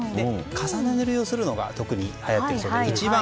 重ね塗りをするのが特に流行っているそうで一番